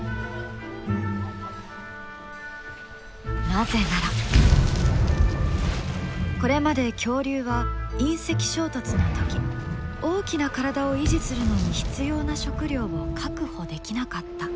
なぜならこれまで恐竜は隕石衝突の時大きな体を維持するのに必要な食料を確保できなかった。